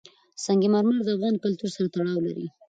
سنگ مرمر د افغان کلتور سره تړاو لري.